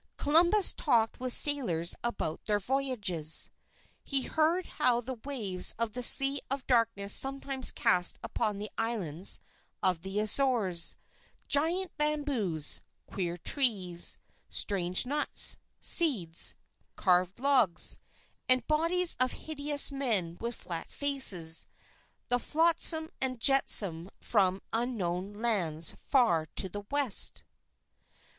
Columbus talked with sailors about their voyages. He heard how the waves of the Sea of Darkness sometimes cast upon the Islands of the Azores, gigantic bamboos, queer trees, strange nuts, seeds, carved logs, and bodies of hideous men with flat faces, the flotsam and jetsam from unknown lands far to the west.